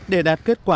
để đạt kết quả